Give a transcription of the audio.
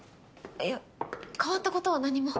いや変わったことは何も。